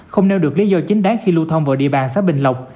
không nêu được lý do chính đáng khi lưu thông vào địa bàn xã bình lộc